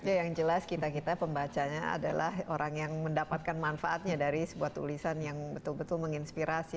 ya yang jelas kita kita pembacanya adalah orang yang mendapatkan manfaatnya dari sebuah tulisan yang betul betul menginspirasi